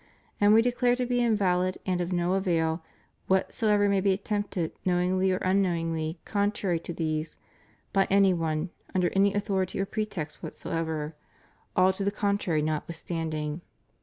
And We declare to be invalid and of no avail, whatsoever may be attempted knowingly or un knowingly contrary to these, by any one, under any authority or pretext whatsoever; all to the contrary notwithstanding.